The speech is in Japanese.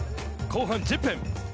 後半１０分。